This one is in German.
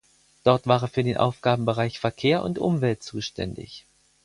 Dort war er für den Aufgabenbereich Verkehr und Umwelt zuständig.